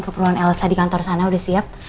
keperluan elsa di kantor sana udah siap